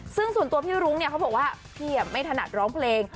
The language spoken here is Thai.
ซึ่งส่วนตัวพี่รุ้งเนี่ยเขาบอกว่าพี่ไม่ถนัดร้องเพลง